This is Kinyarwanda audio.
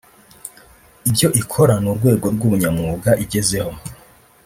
ibyo ikora n’urwego rw’ubunyamwuga igezeho